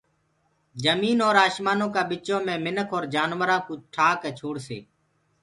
جميٚنٚ اور آشمآنو ڪآ ٻِچو مي منک اور جآنورآنٚ ڪو ٺآڪي ڇوڙسي